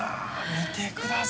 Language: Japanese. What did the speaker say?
見てください